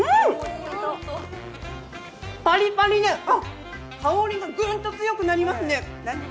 パリパリで、香りがグンと強くなりますね。